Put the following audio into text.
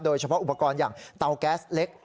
โดยเฉพาะอุปกรณ์อย่างเตาแก๊สเล็ก